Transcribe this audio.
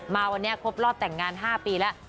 มาวันนี้ครบรอบแต่งงาน๕ปีแล้ว